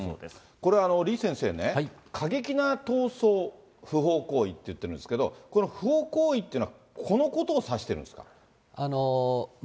これ、李先生ね、過激な闘争、不法行為っていってるんですけれども、この不法行為というのは、このことを指しているんですか？